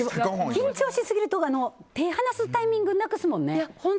緊張しすぎると手を放すタイミングなくすもんね。